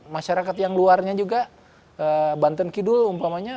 masyarakat yang luarnya juga banten kidul umpamanya